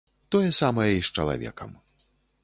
Тое самае і з чалавекам.